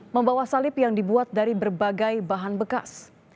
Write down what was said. membawa salib yang dibuat dari berbagai bahan bekas